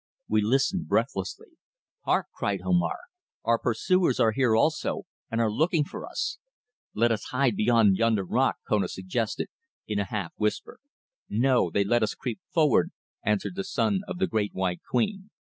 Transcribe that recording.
We listened breathlessly. "Hark!" cried Omar. "Our pursuers are here also, and are looking for us!" "Let us hide behind yonder rock," Kona suggested, in a half whisper. "No, let us creep forward," answered the son of the Great White Queen.